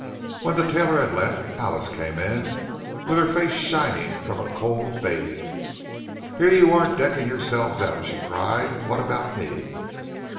When the tailor had left, Alice came in, with her face shining from a cold bathing. "Here you are decking yourselves out!" she cried. "And what about me?"